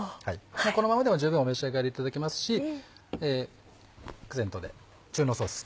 このままでも十分お召し上がりいただけますしアクセントで中濃ソース